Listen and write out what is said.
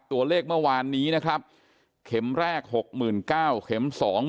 ตัวเลขเมื่อวานนี้นะครับเข็มแรก๖๙๐๐เข็ม๒๐๐๐